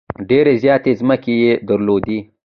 ډېرې زیاتې مځکې یې درلودلې.